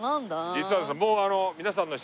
実はですね